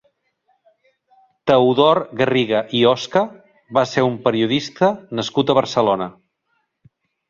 Teodor Garriga i Osca va ser un periodista nascut a Barcelona.